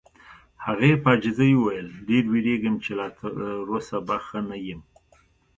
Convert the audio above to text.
هغې په عاجزۍ وویل: ډېر وېریږم چې لا تر اوسه به ښه نه یم.